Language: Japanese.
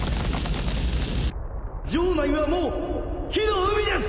城内はもう火の海です。